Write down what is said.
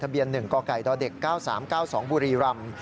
เบียน๑กกด๙๓๙๒บุรีรำ